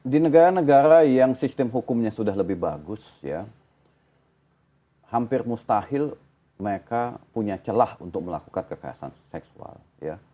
di negara negara yang sistem hukumnya sudah lebih bagus ya hampir mustahil mereka punya celah untuk melakukan kekerasan seksual ya